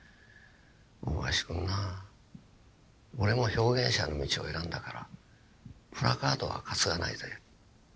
「大林君な俺も表現者の道を選んだからプラカードは担がないぜ。